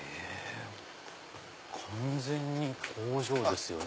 完全に工場ですよね。